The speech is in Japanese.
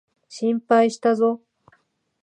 心配したぞ。